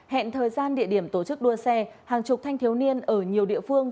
hẹn thời gian địa điểm tổ chức đua xe hàng chục thanh thiếu niên ở nhiều địa phương